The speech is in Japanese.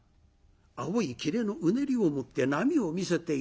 青いきれのうねりを持って波を見せている。